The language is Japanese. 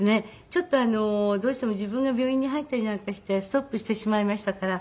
ちょっとどうしても自分が病院に入ったりなんかしてストップしてしまいましたから。